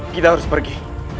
kita harus pergi